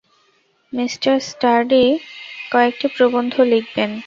Me স্টার্ডি কয়েকটি প্রবন্ধ লিখবেন।